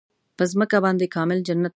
په ځمکه باندې کامل جنت نشته دا خبره سمه ده.